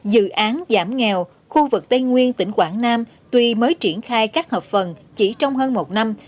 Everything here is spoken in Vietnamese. dự án giảm nghèo khu vực tây nguyên tỉnh quảng nam tuy mới triển khai các hợp phần chỉ trong hơn một năm